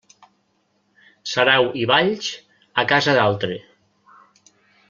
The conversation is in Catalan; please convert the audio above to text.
Sarau i balls, a casa d'altre.